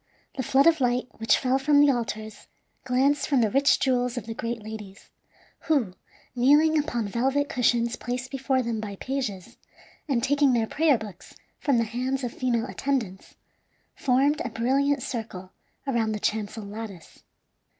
The flood of light which fell from the altars glanced from the rich jewels of the great ladies, who, kneeling upon velvet cushions placed before them by pages, and taking their prayer books from the hands of female attendants, formed a brilliant circle around the chancel lattice.